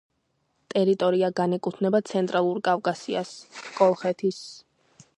ტერიტორია განეკუთვნება ცენტრალურ კავკასიას, კოლხეთის